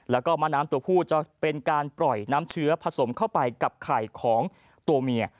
แล้วก็มะน้ำตัวผู้จะเป็นการปล่อยน้ำเชื้อผสมเข้าไปกับไข่ของตัวเมีย